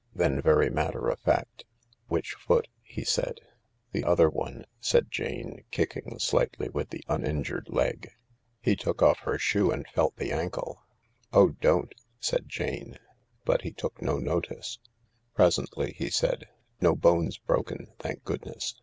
Then, very matter of fact, " Which foot ?" he said. "The other one," said Jane, kicking slightly with the uninjured leg. He took off her shoe and felt the ankle. " Oh, don't !" said Jane. But he took no notice. Presently he said : "No bones broken, thank goodness.